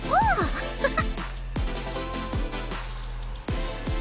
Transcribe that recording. ハハハ。